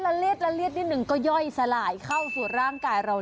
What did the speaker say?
แค่ละเลี้ยดหนึ่งก็ย่อยสลายเข้าสู่ร่างกายเราแล้ว